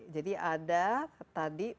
jadi ada tadi